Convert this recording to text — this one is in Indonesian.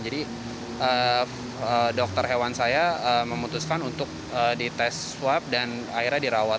jadi dokter hewan saya memutuskan untuk dites swab dan akhirnya dirawat